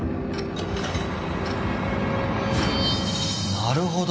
なるほど！